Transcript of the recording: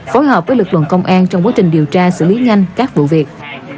phối hợp với lực lượng công an trong quá trình điều tra xử lý nhanh các vụ việc